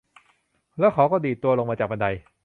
แล้วเขาก็ดีดตัวลงมาจากบันได